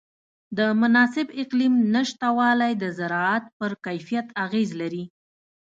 د مناسب اقلیم نهشتوالی د زراعت پر کیفیت اغېز لري.